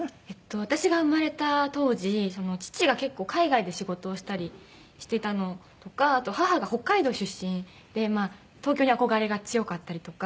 私が生まれた当時父が結構海外で仕事をしたりしてたのとかあと母が北海道出身で東京に憧れが強かったりとか。